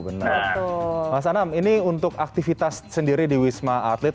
benar mas anam ini untuk aktivitas sendiri di wisma atlet